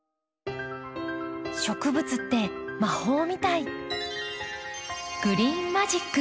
植物って魔法みたい。